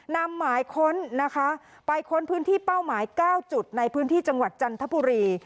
นำหมายค้นนะคะไปค้นพื้นที่เป้าหมาย๙จุดในพื้นที่จังหวัดจันทบุรี